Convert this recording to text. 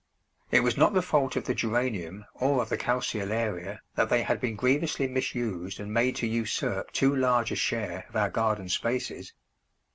It was not the fault of the Geranium or of the Calceolaria that they had been grievously misused and made to usurp too large a share of our garden spaces.